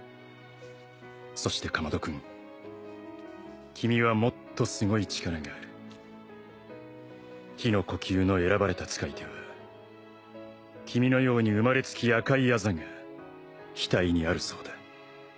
「そして竈門君君はもっとすごい力がある」「日の呼吸の選ばれた使い手は君のように生まれつき赤いあざが額にあるそうだ」